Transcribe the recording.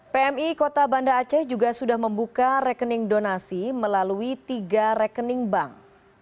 pmi kota banda aceh juga sudah membuka rekening donasi melalui tiga rekening bank